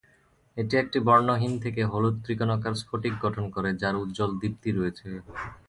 এটি একটি বর্ণহীন থেকে হলুদ ত্রিকোণাকার স্ফটিক গঠন করে যার উজ্জ্বল দীপ্তি রয়েছে।